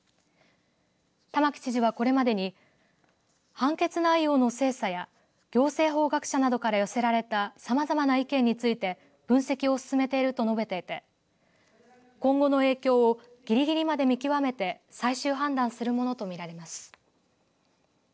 玉城知事はこれまでに判決内容の精査や行政法学者などから寄せられたさまざまな意見について分析を進めていると述べていて今後の影響をぎりぎりまで見極めて最終判断するものと見られます。